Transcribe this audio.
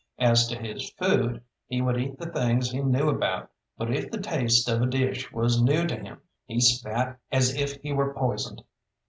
As to his food, he would eat the things he knew about, but if the taste of a dish was new to him, he spat as if he were poisoned.